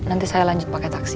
nanti saya lanjut pakai taksi